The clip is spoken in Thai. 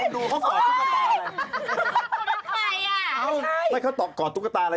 ดูเขาก่อตุ๊กตาอะไร